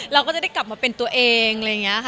เราก็จะได้กลับมาเป็นตัวเอง